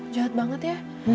jahat banget ya